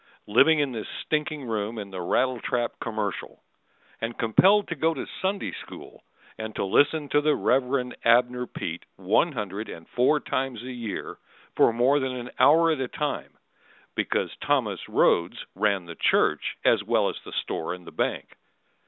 Living in this stinking room in the rattle trap "Commercial." And compelled to go to Sunday School, and to listen To the Rev. Abner Peet one hundred and four times a year For more than an hour at a time, Because Thomas Rhodes ran the church As well as the store and the bank.